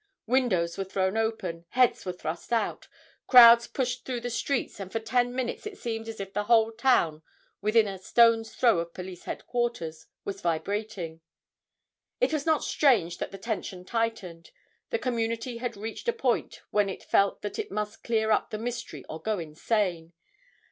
Windows were thrown open, heads were thrust out, crowds pushed through the streets and for ten minutes it seemed as if the whole town within a stone's throw of police headquarters was vibrating. It was not strange that the tension tightened. The community had reached a point when it felt that it must clear up the mystery or go insane.